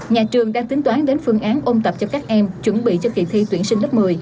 nhà trường đang tính toán đến phương án ôn tập cho các em chuẩn bị cho kỳ thi tuyển sinh lớp một mươi